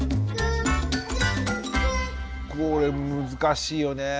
これ難しいよね。